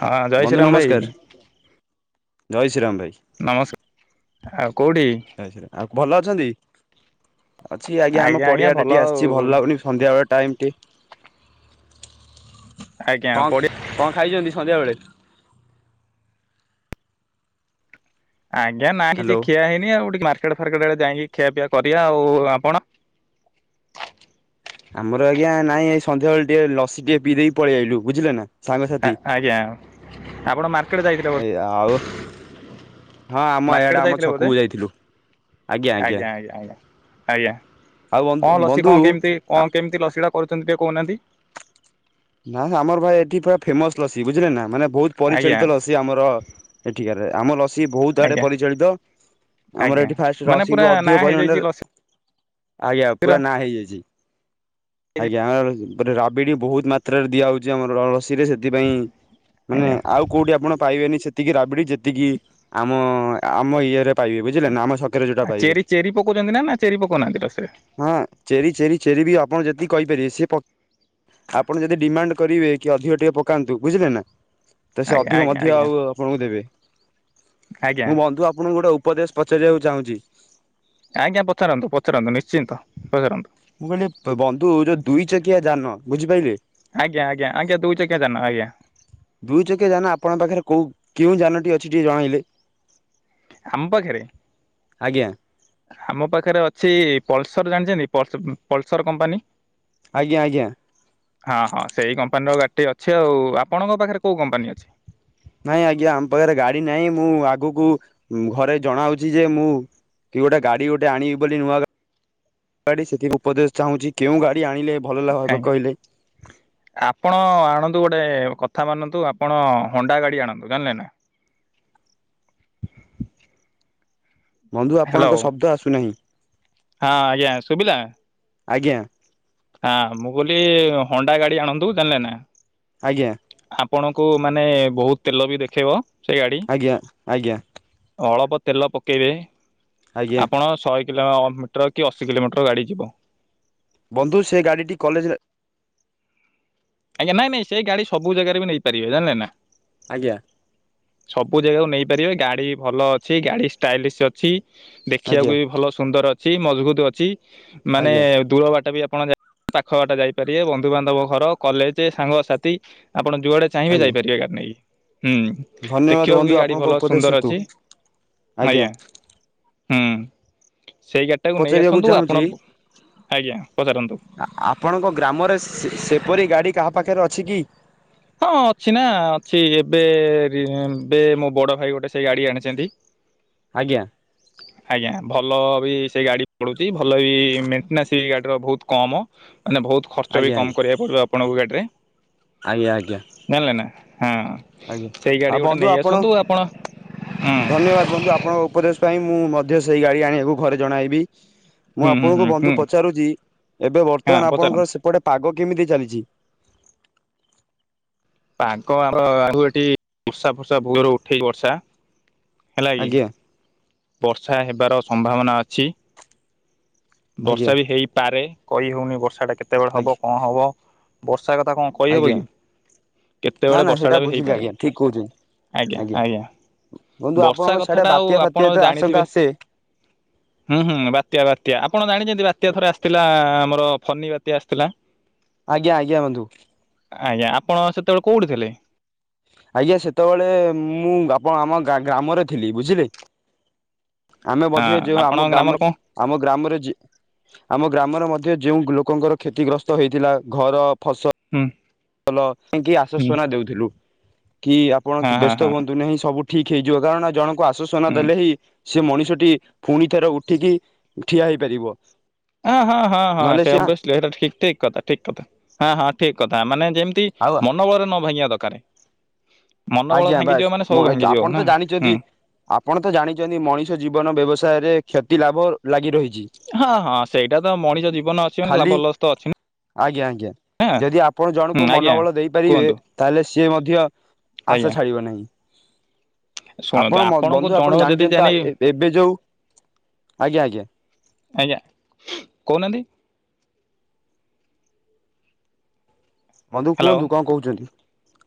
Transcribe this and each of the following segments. ହଁ ଜୟ ବନ୍ଧୁ ଶ୍ରୀରାମ ଭାଇ ନମସ୍କାର, ଜୟ ଶ୍ରୀରାମ ଭାଇ। ନମସ୍କାର। ଆଉ କୋଉଠି? ଆଉ ଭଲ ଅଛନ୍ତି? ଅଛି ଆଜ୍ଞା ଆମ ପଡ଼ିଆଟେ ଟିକେ ଆସିଛି ଭଲ ଲାଗୁନାହିଁ। ସନ୍ଧ୍ୟାବେଳେ ଟାଇମ୍ ଟି ଆଜ୍ଞା କଣ ପଡିଆ କଣ ଖାଇଛନ୍ତି ସନ୍ଧ୍ୟା ବେଳେ? ଆଜ୍ଞା ନା କିଛି ହ୍ୟାଲୋ। ଖିଆ ହେଇନି ଆଉ ଟିକେ ମାର୍କେଟ ଫାର୍କେଟ ବେ ଯାଇକି ଖିଆ ପିଆ କରିବା ଆଉ ଆପଣ ଆମର ଆଜ୍ଞା ନାଇଁ ଏଇ ସନ୍ଧ୍ୟାବେଳେ ଟିକେ ଲସି ଟିକେ ପି ଦେଇକି ପଳେଇ ଆଇଲୁ ବୁଝିଲେ ନା ସାଙ୍ଗସାଥି। ଆଜ୍ଞା ଆପଣ ମାର୍କେଟ ଯାଇଥିଲେ ବୋଧେ? ଏଇ ଆଉ ହଁ ଆମ ମାର୍କେଟ ଇଆଡ଼େ ଆମ ଯାଇଥିଲେ ବୋଧେ ଛକକୁ ଯାଇଥିଲୁ ଆଜ୍ଞା ଆଜ୍ଞା ଆଜ୍ଞା ଆଜ୍ଞା ଆଜ୍ଞା ଆଉ ବନ୍ଧୁ କଣ ଲସି ବନ୍ଧୁ କଣ କେମିତି କଣ କେମିତି ଲସି ଟା କରୁଛନ୍ତି ଟିକେ କହୁନାହାନ୍ତି ନା ଆମ ଭାଇ ଏଠି ପୁରା ଫେମସ ଲସି ବୁଝିଲ ନା ମାନେ ବହୁତ୍ ଆଜ୍ଞା ପରିଚାଳିତ ଲସି ଆମର ଏଠିକାରେ ଆମ ଲସି ବହୁତ ଆଡେ ଆଜ୍ଞା। ପରିଚାଳିତ ଆମର ଆଜ୍ଞା ଏଠି ଫାଷ୍ଟ ମାନେ ପୁରା ରସିକୁୁ ନାଁ ଅଧିକ ହେଇଯାଇଛି ପରିମାଣରେ ଲସିର ଆଜ୍ଞା ପୁରା ନାଁ ହେଇଯାଇଛି। ଆଜ୍ଞା ଆମର ରାବିଡି ବହୁତ ମାତ୍ରାରେ ଦିଆ ହଉଛି ଆମର ସେଥିପାଇଁ ମାନେ ଆଜ୍ଞା। ଆଉ କୋଉଠି ଆପଣ ପାଇବେନି ସେ ତିକି ରାବିଡି ଯେତିକି ଆମ ଆମ ଇଏରେ ପାଇବେ ବୁଝିଲେ ନା ଆମ ସ ଆଉ ଚେରି ଚେରି ପକଉଛନ୍ତି ନା ନା ଚେରି ପକଉନାହାନ୍ତି ତ ସେ ହଁ ଚେରି ଚେରି ଚେରି ବି ଆପଣ ଯେତିକି କହିପାରିବେ ସେ ଆପଣ ଯଦି ଡିମାଣ୍ଡ କରିବେ କି ଅଧିକ ଟିକେ ପକାନ୍ତୁ ବୁଝିଲେ ନା ତ ସେ ଆଜ୍ଞା ଅଧିକ ଆଜ୍ଞା ମଧ୍ୟ ଆଜ୍ଞା ଆଉ ଆପଣଙ୍କୁ ଦେବେ। ଆଜ୍ଞା। ମୁଁ ବନ୍ଧୁ ଆପଣଙ୍କୁ ଗୋଟେ ଉପଦେଶ ପଚାରିବାକୁ ଚାହୁଁଛି। ଆଜ୍ଞା ପଚାରନ୍ତୁ ପଚାରନ୍ତୁ ନିଶ୍ଚିନ୍ତ ପଚାରନ୍ତୁ। ମୁଁ କହିଲି ବନ୍ଧୁ ଯୋଉ ଦୁଇ ଚକିଆ ଯାନ ବୁଝିପାରିଲେ। ଆଜ୍ଞା ଆଜ୍ଞା ଆଜ୍ଞା ଦୁଇ ଚକିଆ ଯାନ ଆଜ୍ଞା। ଦୁଇଚକିଆ ଯାନ ଆପଣଙ୍କ ପାଖରେ କୋଉ କେଉଁ ଯାନଟି ଅଛି ଟିକେ ଜଣାଇଲେ। ଆମ ପାଖରେ ଆଜ୍ଞା। ଆମ ପାଖରେ ଅଛି ପଲସର ଜାଣିଛନ୍ତି ପଲସର କମ୍ପାନୀ। ଆଜ୍ଞା ଆଜ୍ଞା। ହଁ ହଁ ସେଇ କମ୍ପାନୀର ଗାଡ଼ିଟିଏ ଅଛି ଆଉ ଆପଣଙ୍କ ପାଖରେ କୋଉ କମ୍ପାନୀ ଅଛି। ନାଇଁ ଆଜ୍ଞା ଆମ ପାଖରେ ଗାଡିନାହିଁ ମୁଁ ଆଗକୁ ଘରେ ଜଣାଉଛି ଯେ ମୁଁ କି ଗୋଟେ ଗାଡି ଗୋଟେ ଆଣିବି ବୋଲି ନୂଆ ଗାଡି ସେଠି ଉପଦେଶ ଚାହୁଁଛି କେଉ ଗାଡି ଆଣିଲେ ଭଲ ହେବ ଆଜ୍ଞା କହିଲେ। ଆପଣ ଆଣନ୍ତୁ ଗୋଟେ କଥା ମାନନ୍ତୁ ଆପଣ ହଣ୍ଡା ଗାଡି ଆଣନ୍ତୁ ଜାଣିଲେ ନା। ବନ୍ଧୁ ହ୍ୟାଲୋ ଆପଣଙ୍କ ଶବ୍ଦ ଆସୁନାହିଁ। ହଁ ଆଜ୍ଞା ସୁୁଭିଲା। ଆଜ୍ଞା। ହଁ ମୁଁ କହିଲି ହଣ୍ଡା ଗାଡି ଆଣନ୍ତୁ ଜାଣିଲେ ନା। ଆଜ୍ଞା। ଆପଣଙ୍କୁ ମାନେ ବହୁତ ତେଲ ବି ଦେଖେଇବ ସେ ଗାଡି। ଆଜ୍ଞା ଆଜ୍ଞା ଅଳ୍ପ ତେଲ ପକେଇବେ ଆଜ୍ଞା। ଆପଣ ଶହେ କିଲୋ ମିଟର କି ଅଶି କିଲୋମିଟର ଗାଡ଼ି ଯିବ। ବନ୍ଧୁ ସେ ଗାଡିଟି କଲେଜରେ ଆଜ୍ଞା ନାଇଁ ନାଇଁ ସେ ଗାଡି ସବୁ ଜାଗାରେ ବି ନେଇ ପାରିବେ ଜାଣିଲେ ନା। ଆଜ୍ଞା। ସବୁ ଜାଗାକୁ ନେଇପାରିବେ ଗାଡି ଭଲ ଅଛି ଗାଡି ଷ୍ଟାଇଲିସ୍ ଅଛି। ଦେଖିବାକୁ ଆଜ୍ଞା ବି ଭଲ ସୁନ୍ଦର ଅଛି ମଜବୁତ ଅଛି ମାନେ ଆଜ୍ଞା ଦୂରବାଟ ବି ଆପଣ ଯାଇ ପାଖ ବାଟ ଯାଇପାରିବେ ବନ୍ଧୁବାନ୍ଧବ ଘର। କଲେଜ ସାଙ୍ଗସାଥି ଆପଣ ଯୁଆଡେ ଚାହିଁବେ ଆଜ୍ଞା ଯାଇପାରିବେ ଗାଡ଼ି ନେଇକି ହୁଁ। ଧନ୍ୟବାଦ ଦେଖିବାକୁ ବନ୍ଧୁ ବି ଗାଡ଼ି ଆପଣଙ୍କ ଭଲ ଉପଦେଶ ସୁନ୍ଦର ହେତୁ ଅଛି ଆଜ୍ଞା। ହୁଁ ସେଇ ଗାଡ଼ିଟାକୁ ନେଇ ପଚାରିବାକୁ ଆସନ୍ତୁ ଚାହୁଁଛି ଆପଣ ଆଜ୍ଞା, ପଚାରନ୍ତୁ। ଆପଣଙ୍କ ଗ୍ରାମରେ ସେପରି ଗାଡ଼ି କାହା ପାଖରେ ଅଛି କି? ହଁ ଅଛି ନା ଅଛି ଏବେ ଏବେ ମୋ ବଡ ଭାଇ ଗୋଟେ ସେଇ ଗାଡି ଆଣିଛନ୍ତି। [inaudible] ଆଜ୍ଞା। [inaudible] ଆଜ୍ଞା ଭଲ ବି ସେ ଗାଡ଼ି ପଡ଼ୁଛି ଭଲ ବି ମେଣ୍ଟେନାନ୍ସ ବି ଗାଡ଼ିର ବହୁତ କମ୍। ମାନେ ବହୁତ ଖର୍ଚ୍ଚ ଆଜ୍ଞା ବି କମ ଆଜ୍ଞା କରିବାକୁ ପଡିବ ଆପଣଙ୍କୁ ଗାଡିରେ। ଆଜ୍ଞା ଆଜ୍ଞା। ଜାଣିଲେ ନା ହଁ। ଆଜ୍ଞା ସେଇ ଗାଡ଼ି ଆଉ ଗୋଟେ ବନ୍ଧୁ ନେଇ ଆପଣ ଆସନ୍ତୁ ହୁଁ ଧନ୍ୟବାଦ ବନ୍ଧୁ ଆପଣଙ୍କ ଉପଦେଶ ପାଇଁ ମୁଁ ମଧ୍ୟ ସେଇ ଗାଡି ଆଣିବାକୁ ଘରେ ଜଣାଇବି। ମୁଁ ହୁଁ ହୁଁ ଆପଣଙ୍କୁ ହୁଁ ବନ୍ଧୁ ହୁଁ ପଚାରୁଚି ଏବେ ହଁ ବର୍ତ୍ତମାନ ପଚାରନ୍ତୁ ଆପଣଙ୍କର ସେପଟେ ପାଗ କେମିତି ଚାଲିଚି? ପାଗ ଆର ଆଉ ଏଠି ବର୍ଷା ଫର୍ଷା ଭୋରୁ ଉଠେଇିବର୍ଷା ହେଲା କି। ଆଜ୍ଞା ବର୍ଷା ହେବାର ସମ୍ଭାବନା ଅଛି। ଆଜ୍ଞା ବର୍ଷା ବି ହେଇପାରେ କହି ହଉନି ବର୍ଷା ଟା କେତେବେଳେ ଆଜ୍ଞା ହବ କଣ ହବ ବର୍ଷା କଥା କଣ କହିହେବ ଆଜ୍ଞା କି ନା କେତେବେଳେ ନା ସେଇଟା ବର୍ଷାଟା ବି ବୁଝିଲି ହୋଇଇପାରେ। ଆଜ୍ଞା ଠିକ କହୁଚନ୍ତି ଆଜ୍ଞା ଆଜ୍ଞା ବନ୍ଧୁ ଆପଣଙ୍କ ବର୍ଷା କଥା ସିଆଡ଼େ ଟା ବାତ୍ୟା ଆଉ ଫାତ୍ୟା ଆପଣ ତ ଆଶଙ୍କା ଜାଣିଥିବେ। ଆସେ ହୁଁ ହୁଁ ବାତ୍ୟା ବା ତ୍ୟା ଆପଣ ଜାଣିଚନ୍ତି ବାତ୍ୟା ଥରେ ଆସିଥିଲା ଆମର ଫନି ବାତ୍ୟା ଆସିଥିଲା। ଆଜ୍ଞା ଆଜ୍ଞା ବନ୍ଧୁ। ଆଜ୍ଞା ଆପଣ ସେତେବେଳେ କୋଉଠି ଥିଲେ? ଆଜ୍ଞା ସେତେବେଳେ ମୁଁ ଆପଣ ଆମ ଗ୍ରାମରେ ଥିଲି ବୁଝିଲେ। ଆମେ ହଁ ବୋଧେ ଯେଉ ଆପଣଙ୍କ ଆମ ଗ୍ରାମର ଗ୍ରାମ କଣ ଆମ ଗ୍ରାମରେ ଜି ଆମ ଗ୍ରାମରେ ମଧ୍ୟ ଯେଉଁ ଲୋକଙ୍କର କ୍ଷତିଗ୍ରସ୍ତ ହେଇଥିଲା ଘର ଫସ ହୁଁ। ଭଲ କି ହୁଁ ଆଶ୍ୱସନା ଦଉଥିଲୁ କି ଆପଣ ହଁ ହଁ ବ୍ୟସ୍ତ ହଁ ହୁଅନ୍ତୁ ନାହିଁ ସବୁ ଠିକ ହେଇଯିବ କାରଣ ଜଣଙ୍କୁ ଆଶ୍ଵସନ ହୁଁ ଦେଲେ ହିଁ ସେ ମଣିଷଟି ପୁଣି ଥର ଉଠିକି ଠିଆ ହେଇପାରିବ। ହଁ ହଁ ହଁ ହଁ ସେ ଅବଶୀ ଲେଟେ ଠିକ ଠିକ କଥା ଠିକ କଥା ହଁ ହଁ ଠିକ କଥା ମାନେ ଯେମତି ଆଉ ମନବଳରେ ନ ଭାଙ୍ଗିବା ଦରକାର ମନୋବଳ ଆଜ୍ଞା ବାସ ଭାଙ୍ଗିଯିବ ମାନେ ସବୁ ମୁଁ ହୁଅତ୍ ଭାଙ୍ଗିଯିବ ଆପଣ ନା। ତ ହୁଁ ଜାଣିଚନ୍ତି ଆପଣ ତ ଜାଣିଛନ୍ତି ମଣିଷ ଜୀବନ ବ୍ୟବସାୟରେ କ୍ଷତି ଲାଭ ଲାଗି ରହେ। ହଁ ହଁ ସେଇଟା ତ ମଣିଷ ଜୀବନ ଅଛି ମାନେ ଖାଲି ଲାଭ ଲସ୍ତ ଅଛିନା। ଆଜ୍ଞା ଆଜ୍ଞା ଯଦି ଆପଣ ହୁଁ ଜଣଙ୍କୁ ଆଜ୍ଞା। ମନୋବଳ ଦେଇପାରିବେ କୁହନ୍ତୁ ତାହେଲେ ସିଏ ମଧ୍ୟ ଆଶା ଆଜ୍ଞା ଛାଡ଼ିବ ନାହିଁ। ଶୁଣନ୍ତୁ ଆପଣମ ଆପଣଙ୍କୁ ବନ୍ଧୁ ଆପଣ ଜଣକୁ ଯଦି ଜାଣି ଜାଣିଛନ୍ତି ଏବେ ଯଉ ଆଜ୍ଞା ଆଜ୍ଞା। ଆଜ୍ଞା କହୁନାଆନ୍ତି। ବନ୍ଧୁ ହ୍ୟାଲୋ। କୁହନ୍ତୁ କଣ କହୁଚନ୍ତି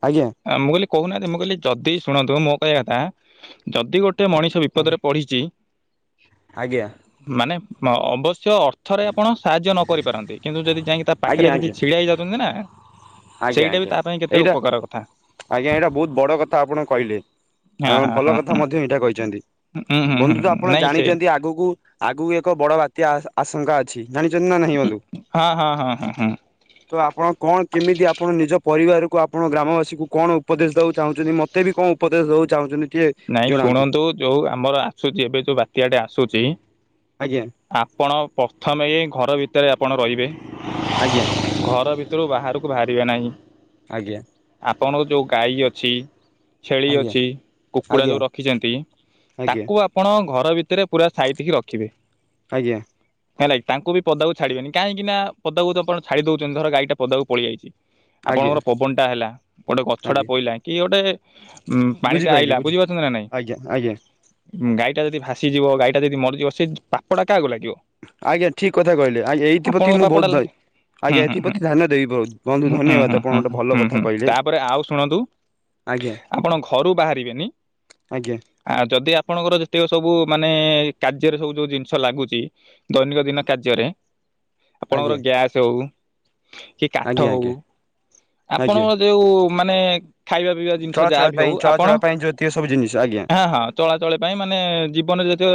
ଆଜ୍ଞା। ମୁଁ କହିଲି କହୁନାହାନ୍ତି ମୁଁ କହିଲି ଯଦି ଶୁଣନ୍ତୁ ମୋ କହିବା କଥା ଯଦି ଗୋଟେ ମଣିଷ ଆଜ୍ଞା ବିପଦରେ ପଢ଼ିଚି। ଆଜ୍ଞା। ମାନେ ଅବଶ୍ୟ ଅ ଥରେ ଆପଣ ସାହାଯ୍ୟ ନ କରିପାରନ୍ତି କିନ୍ତୁ ଯଦି ଯାଇକି ତା ଆଜ୍ଞା ପାଖରେ ଯଦି ଆଜ୍ଞା ଛିଡା ହେଇଯାଉଚନ୍ତି ନା ଆଜ୍ଞା ସେଇଟା ବି ଆଜ୍ଞା ତା ପାଇଁ କେତେ ଏଇଟା ଉପକାରକ। ଆଜ୍ଞା ଏଇଟା ବହୁତ ବଡ କଥା ଆପଣ କହିଲେ ହଁ ଆପଣ ହଁ ଭଲ ହଁ ହଁ କଥା ମଧ୍ୟ ଏଇଟା କହିଚନ୍ତି। ହୁଁ ହୁଁ ହୁଁ ବନ୍ଧୁ ତ ହୁଁ ଆପଣ ନାଇଁ ସେ ଜାଣିଚନ୍ତି ଆଗକୁ ଆଗକୁ ଏକ ବଡ ବାତ୍ୟା ଆଶଙ୍କା ଅଛି। ଜାଣିଚନ୍ତି ନା ନାହିଁ ବଧୁ ହଁ ହଁ ହଁ ହଁ ହଁ ତ ଆପଣ କଣ କେମିତି ଆପଣ ନିଜ ପରିବାରକୁ ଆପଣ ଗ୍ରାମବାସୀକୁ କଣ ଉପଦେଶ ଦେବାକୁ ଚାହୁଁଚନ୍ତି ମୋତେ ବି କଣ ଉପଦେଶ ଦେବାକୁ ଚାହୁଁଚନ୍ତି। ନାଇଁ ଶୁଣନ୍ତୁ ଯୋଉ ଆମର ଆସୁଛି ଏବେ ଯୋଉ ବାତ୍ୟା ଟେ ଆସୁଛି। ଆଜ୍ଞା। ଆପଣ ପ୍ରଥମେ ଘର ଭିତରେ ଆପଣ ରହିବେ। ଆଜ୍ଞା। ଘର ଭିତରୁ ବାହାରକୁ ବାହାରିବା ନାହିଁ। ଆଜ୍ଞା। ଆପଣଙ୍କ ଯୋଉ ଗାଈ ଅଛି, ଛେଳି ଆଜ୍ଞା ଅଛି, କୁକୁଡ଼ା ଆଜ୍ଞା ଯୋଉ ରଖିଛନ୍ତି, ଆଜ୍ଞା ତାକୁ ଆପଣ ଘର ଭିତରେ ପୁରା ସାଇତିକି ରଖିବେ। ଆଜ୍ଞା। ହେଲାକି। ତାଙ୍କୁ ବି ପଦାକୁ ଛାଡିବନି, କାହିଁକି ନା ପଦାକୁ ତ ଆପଣ ଛାଡି ଦଉଛନ୍ତି ଧର ଗାଈଟା ପଦାକୁ ପଳେଇ ଆଇଚି ଆଜ୍ଞା ଆପଣଙ୍କର ପବନ ଟା ହେଲା। ଗୋଟେ ଗଛ ଟା ଆଜ୍ଞା ପଇଲା। କି ଗୋଟେ ଉ ପାଣି ବୁଝିପାଇଲି ଆଇଲା, ବୁଝି ବୁଝିପାରୁଛନ୍ତି ନା ନାଇଁ? ଆଜ୍ଞା ଆଜ୍ଞା ଗାଈଟା ଯଦି ଭାସିଯିବ, ଗାଈଟା ଯଦି ମରିଯିବ, ସେ ପାପଟା କାହାକୁ ଲାଗିବ? ଆଜ୍ଞା, ଠିକ କଥା କହିଲେ। ଆଜ୍ଞା ଏଇଥିପ୍ରତି ଆପଣଙ୍କ ମୁଁ ପାପଟା ବହୁତ ଦା ଲାଗେ। ହୁଁ ଆଜ୍ଞା, ହୁଁ ହୁଁ ଏଥିପ୍ରତି ଧ୍ୟାନ ଦେବି। ବନ୍ଧୁ ହୁଁ ହୁଁ ଧନ୍ୟବାଦ ଆପଣ ହୁଁ ହୁଁ ଗୋଟେ ହୁଁ ଭଲ ହୁଁ କଥା ହୁଁ କହିଲେ। ତାପରେ ଆଉ ଶୁଣନ୍ତୁ ଆଜ୍ଞା ଆପଣ ଘରୁ ବାହାରିବେନି ଆଜ୍ଞା ଆ ଯଦି ଆପଣଙ୍କର ଯେତିକ ସବୁ ମାନେ କାର୍ଯ୍ୟରେ ସବୁ ଯୋଉ ଜିନିଷ ଲାଗୁଚି ଦୈନିକ ଦିନ କାର୍ଯ୍ୟରେ ଆଜ୍ଞା ଆପଣଙ୍କର ଗ୍ୟାସ୍ ହଉ କି କାଠ ଆଜ୍ଞା ହଉ, ଆଜ୍ଞା ଆଜ୍ଞା ଆପଣଙ୍କର ଯୋଉ ମାନେ ଖାଇବା ପିଇବା ଜିନିଷ ଯାହାବି ହଉ ଆପଣ କେ ଏସବୁ ଜିନିଷ, ଆଜ୍ଞା। ହଁ ହଁ, ଚଳାଚଳ ପାଇଁ ମାନେ ଜୀବନରେ ଜାତୀୟ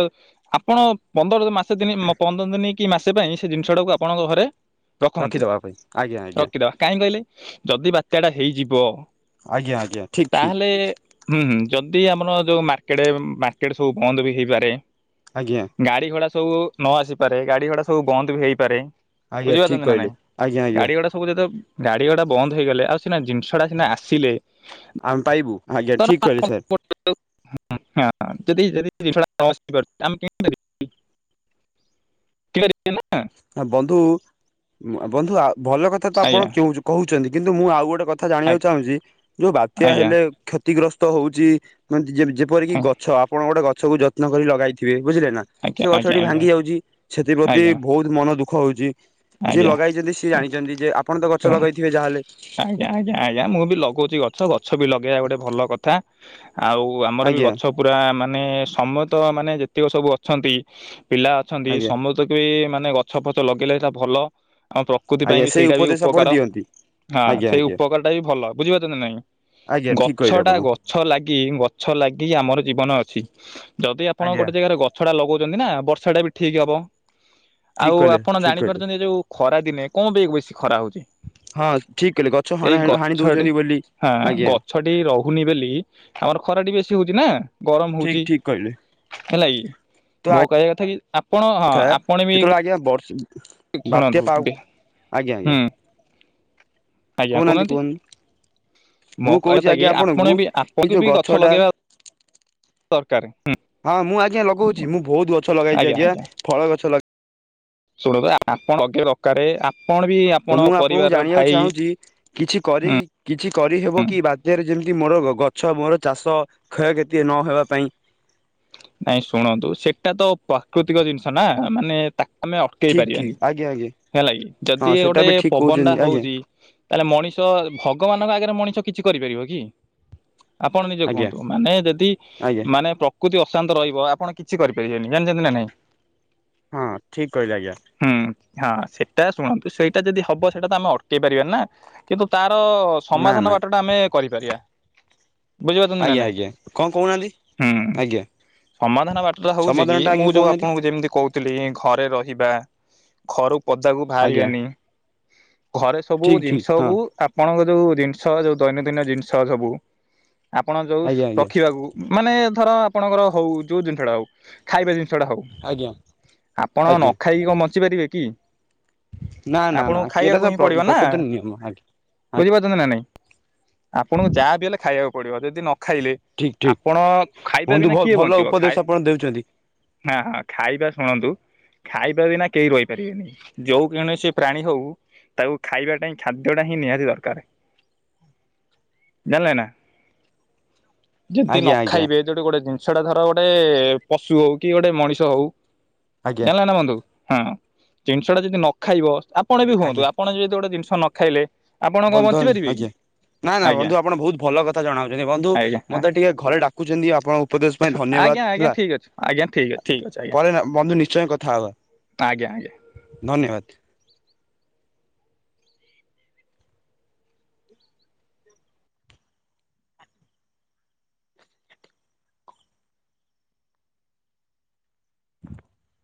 ଆପଣ ପନ୍ଦର ମାସେ ଦିନ ପନ୍ଦର ଦିନ କି ମାସେ ପାଇଁ ସେ ଜିନିଷ ଟାକୁ ଆପଣଙ୍କ ଘରେ ରଖନ୍ତୁ। ରଖିଦବା ପାଇଁ ଆଜ୍ଞା ଆଜ୍ଞା ରଖିଦବା କାହିଁ କହିଲେ? ଯଦି ବାତ୍ୟା ଟା ହେଇଯିବ ଆଜ୍ଞା, ଆଜ୍ଞା। ଠିକ୍ ତାହେଲେ ଠିକ। ହୁଁ ହୁଁ, ଯଦି ଆମର ଯଉ ମାର୍କେଟ ମାର୍କେଟ ସବୁ ବନ୍ଦ ବି ହେଇପାରେ। ଆଜ୍ଞା। ଗାଡ଼ି, ଘୋଡ଼ା ସବୁ ନ ଆସିପାରେ। ଗାଡ଼ି, ଘୋଡ଼ା ସବୁ ବନ୍ଦ ବି ହୋଇଇପାରେ। ଆଜ୍ଞା ଠିକ୍ ବୁଝିପାରୁଛନ୍ତି ନା, ନାଇଁ? କହିଲେ ଆଜ୍ଞା ଆଜ୍ଞା ଗାଡି ଘୋଡ ସବୁ ଯେତେ ଗାଡି ଘୋଡା ବନ୍ଦ ହେଇଗଲେ। ଆଉ ସିନା ଜିନିଷ ଟା ସିନା ଆସିଲେ ଆମେ ପାଇବୁ, ଆଜ୍ଞା, ଧର ଠିକ୍ କହିଲେ ଆପଣ ସାର୍। ଯଦି ଯି ଆମେ କେ [unintelligible] କି କରିେ ନା [unintelligible] ହ ବନ୍ଧୁ ବନ୍ଧୁ ଆ ଭଲ କଥା ତ ଆପଣ ଆଜ୍ଞା କ କହୁଛନ୍ତି। କିନ୍ତୁ ମୁଁ ଆଉ ଗୋଟେ କଥା କଥା ଜାଣିବାକୁ ଚାହୁଁଛି ଯୋଉ ବାତ୍ୟା ଆଜ୍ଞା ଆଜ୍ଞା ହେଲେ କ୍ଷତିଗ୍ରସ୍ତ ହଉଚି ଯେପରିକି ହଁ, ଗଛ ଆପଣ ଗୋଟେ ଗଛକୁ ଯତ୍ନ କରି ଲଗାଇଥିବେ, ବୁଝିଲେ ନା? ସେ ଆଜ୍ଞା ଆଜ୍ଞା ଗଛଟି ଆଜ୍ଞା ଭାଙ୍ଗି ଯାଉଚି। ସେଥିପ୍ରତି ଆଜ୍ଞା ବହୁତ ମନ ଦୁଃଖ ହଉଚି। ଯିଏ ଆଜ୍ଞା ଲଗାଇଛନ୍ତି ସିଏ ଶୁଣ, ଜାଣିଛନ୍ତି। ଯେ ଆପଣ ତ ଗଛ ଶୁଣ, ଲଗେଇଥିବେ ଯାହାହେଲେ ଆଜ୍ଞା ଆଜ୍ଞା ଆଜ୍ଞା, ମୁଁ ବି ଲଗଉଛି ଗଛ। ଗଛ ବି ଲଗେଇବା ଗୋଟେ ଭଲ କଥା। ଆଉ ଆମର ବି ଆଜ୍ଞା ଗଛ ପୁରା ମାନେ ସମେତ ମାନେ ଯେତିକ ସବୁ ଅଛନ୍ତି ପିଲା ଅ ଅଛନ୍ତି। ଆଜ୍ଞା ସମସ୍ତକୁ ବି ମାନେ ଗଛ ଫଛ ଲଗେଇଲେ ସେଇଟା ଭଲ। ଆମ ପ୍ରକୃତି ପାଇଁ ଆଜ୍ଞା ବି ସେଇ ସେଇଟା ବି ଉପଦେଶ ଆପଣ ଉପକାର। ଦିଅନ୍ତି ହଁ ଆଜ୍ଞା ସେଇ ଆଜ୍ଞା ଉପକାର ଟା ବି ଭଲ, ବୁଝିପାରୁଚନ୍ତି ନା ନାଇଁ? ଆଜ୍ଞା ଠିକ ଗଛ କହିଲେ ଟା ଆପଣ ଗ ଗଛ ଲାଗି ଗଛ ଲାଗି ଆମର ଜୀବନ ଅଛି। ଯଦି ଆପଣ ଆଜ୍ଞା ଗୋଟେ ଜାଗାରେ ଗ ଗଛ ଟା ଲଗଉଛନ୍ତି ନା ବର୍ଷାଟା ବି ଠିକ ହବ। ଠିକ ଆଉ କହିଲେ ଆପଣ ଠିକ କହିଲେ ଜାଣିପାରୁଛନ୍ତି ଯୋଉ ଖରା ଦିନେ କଣ ପାଇଁ ବେଶୀ ଖରା ହଉଚି? ହଁ ଠିକ କହିଲେ, ଗଛ ହଣ ହାଣି ଦଉଛନ୍ତି ବୋଲି ହଁ ଆଜ୍ଞା। ଗଛଟି ରହୁନି ବୋଲି ଆମର ଖରାଟି ବେଶୀ ହଉଛି, ନା? ଗରମ ଠିକ ହଉଚି, ଠିକ କହିଲେ ହେଲା କି? ତ ମୋ କହିଆ କଥା କି ଆପଣ ହଁ ଥାଏ ଆପଣ ବି ଯେତେବେଳେ ଆଜ୍ଞା ବର୍ଷ ଠିକ୍ ବାତ୍ୟା ଶୁଣନ୍ତୁ ପାଉ ଟିକେ ଆଜ୍ଞା ଆଜ୍ଞା। କହୁନାହାନ୍ତି କୁହନୁ ମୋ ମୁଁ କହିବା କହୁଚି କଥା କି ଆଜ୍ଞା ଆପଣ ଆପଣଙ୍କୁ ବି କି ଆପଣଙ୍କୁ ଯୋଉ ବି ଗଛ ଡାଲ୍ ଲଗେଇବା ଦରକାର। ହଁ ମୁଁ ଆଜ୍ଞା ଲଗଉଚି। ମୁଁ ବହୁତ୍ ଗଛ ଲଗାଇଚି ଆଜ୍ଞା। ଫଳ ଗଛ ଲାଗ୍ ଶୁଣନ୍ତୁ ଆ ଆପଣ ଦଘ୍ୟ ଦରକାରେ ଆପଣ ବି ଆପ୍ ତ ମୁଁ ଆପଣଙ୍କୁ ଜାଣିଆକୁ ଚାହୁଁଚି କିଛି କରି କିଛି କରିହେବ କି ବାତ୍ୟାରେ ଯେମିତି ମୋର ଗଛ ମୋର ଚାଷ କ୍ଷୟକ୍ଷତି ନ ହେବା ପାଇଁ ନାଇଁ ଶୁଣନ୍ତୁ ସେଟା ତ ପ୍ରାକୃତିକ ଜିନିଷ ନା ମାନେ ତାକୁ ଆମେ ଅଟକେଇ ଠିକ ଠିକ ପାରିବାନି ଆଜ୍ଞା ଆଜ୍ଞା ହେଲା କିି ହଁ ଯଦି ଏ ସେଟା ଗୋଟେ ବି ଠିକ ପବନଟା କହୁଛନ୍ତି ଆଜ୍ଞା ହଉଚି ତାହେଲେ ମଣିଷ ଭଗବାନଙ୍କ ଆଗରେ ମଣିଷ କିଛି କରିପାରିବ କି? ଆପଣ ନିଜେ ଆଜ୍ଞା କୁହନ୍ତୁ ମାନେ ଯେଦି ଆଜ୍ଞା ମାନେ ପ୍ରକୃତି ଅ ଶାନ୍ତ ରହିବ ଆପଣ କିଛି କରିପାରିବେନି ଜାଣିଚନ୍ତି ନା ନାଇଁ? ହଁ ଠିକ୍ କହିଲେ ଆଜ୍ଞା। ହୁଁ ହାଁ ସେଟା ଶୁଣନ୍ତୁ ସେଇଟା ଯଦି ହବ ସେଇଟା ତ ଆମେ ଅଟକେଇ ପାରିବାନି ନା? କିନ୍ତୁ ତାର ନା ସମାଧାନ ନା ବାଟ ଟା ଆମେ କରିପାରିବା। ବୁଝିପାରୁଚନ୍ତି ନା ଆଜ୍ଞା ନାଇଁ? ଆଜ୍ଞା କଣ କହୁନାହାନ୍ତି ହୁଁ ହୁଁ ହୁଁ। ଆଜ୍ଞା ସମାଧାନ ବାଟଟା ହଉଚି କି ସମାଧାନ ଟା ମୁଁ ଆଜ୍ଞା ଯୋଉ କହୁନାହାନ୍ତି ଆପଣଙ୍କୁ ଯେମିତି କହୁଥିଲି ଇଁ ଘରେ ରହିବା ଖରୁ ପଦାକୁ ଆଜ୍ଞା ଭାଆରିବାନି ଘରେ ସବୁ ଠିକ ଠିକ ଜିନିଷ ହଁ କୁ ଆପଣଙ୍କ ଯୋଉ ଜିନିଷ ଯୋଉ ଦୈନନ୍ଦିନ ଜିନିଷ ସବୁ ଆପଣ ଯୋଉସ୍ ଆଜ୍ଞା ଆଜ୍ଞା ରଖିବାକୁ ମାନେ ଧର ଆପଣଙ୍କର ହଉ ଯୋଉ ଜିନିଷଟା ହଉ ଖାଇବା ଜିନିଷଟା ହଉ ଆଜ୍ଞା ଆପଣ ନ ଆଜ୍ଞା ଖାଇକି କଁ ବଞ୍ଚି ପାରିବେ କି? ନା ନା ନା ଆପଣଙ୍କ ଏଟା ତ ଖାଇବାକୁ ହିଁ ପଡ଼ିବ ନା? ପ୍ରକୃତିର ନିୟମ ଆଜ୍ଞା ବୁଝିପାରୁଚନ୍ତି ନା ନାଇଁ ଆପଣଙ୍କୁ ଯାହା ବିି ହେଲେ ଖାଇବାକୁ ପଡ଼ିବ ଯେଦି ନ ଖାଇଲେ ଠିକ ଠିକ ଆପଣ ଖାଇବା ବନ୍ଧୁ ବିନା କିଏ ଭଲ ବଞ୍ଚିବ ଉପଦେଶ ଖାଇ ଆପଣ ଦେଉଛନ୍ତି ନା ହା ଖାଇବା ଶୁଣନ୍ତୁ ଖାଇବା ବିନା କେହି ରହିପାରିବେନି ଯେଉ କୌଣସି ପ୍ରାଣୀ ହଉ ତାକୁ ଖାଇବାଟା ହିଁ ଖାଦ୍ୟ ଟା ହିଁ ନିହାତି ଦରକାର୍। ଜାଣିଲେ ନା ଯେମତି ଆଜ୍ଞା ଆଜ୍ଞା ନଖାଇବେ ଯୋଉଠି ଗୋଟେ ଜିନିଷ ଟା ଧର ଗୋଟେ ପଶୁ ହଉ କି ଗୋଟେ ମଣିଷ ହଉ ଆଜ୍ଞା ଜାଣଲା ନା ବନ୍ଧୁ ହଁ ଜିନିଷ ଟା ଯେଦି ନ ଖାଇବ ଆପଣ ବି ହୁଅନ୍ତୁ ଆଜ୍ଞା ଆପଣ ଯେଦି ଗୋଟେ ଜିନଷ ନ ଖାଇଲେ ଆପଣ କଣ ବନ୍ଧୁ ଆଜ୍ଞ୍ ବଞ୍ଚିପାରିବେ କି? ଆଜ୍ଞା ନା ନା ଆଜ୍ଞା ବନ୍ଧୁ ଆପଣ ଭୋଉତ୍ ଭଲ କଥା ଜଣାଉଚନ୍ତି ବନ୍ଧୁ ଆଜ୍ଞା ମତେ ଟିକେ ଘରେ ଡାକ୍ କୁଚନ୍ତି ଆପଣ ଉପଦେଶ ପାଇଁ ଆଜ୍ଞା ଧନ୍ୟବାଦ ଆଜ୍ଞା ହେଲା ଠିକ୍ ଅଛି ଆଜ୍ଞା ଠିକ୍ ଅଛି ଠିକ୍ ଅଛି ଆଜ୍ଞା ପରେ ନା ବନ୍ଧୁ ନିଶ୍ଚୟ କଥା ହବା। ଆଜ୍ଞା ଆଜ୍ଞା। ଧନ୍ୟବାଦ୍।